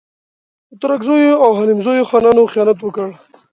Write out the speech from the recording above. د ترکزیو او حلیمزیو خانانو خیانت وکړ.